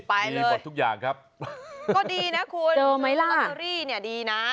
ไปเลยดีหมดทุกอย่างครับก็ดีนะคุณเจอไหมล่ะเนี่ยดีนะ